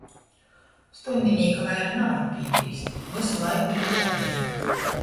Stuņdinīka vaira navar pīgrīzt, vysu laiku īt apleik.